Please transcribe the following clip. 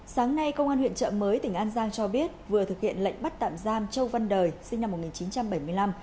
sáng nay công an huyện trợ mới tỉnh an giang cho biết vừa thực hiện lệnh bắt tạm giam châu văn đời sinh năm một nghìn chín trăm bảy mươi năm